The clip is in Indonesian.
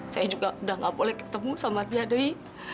saya juga udah gak boleh ketemu sama dia dewi